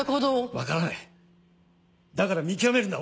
分からないだから見極めるんだ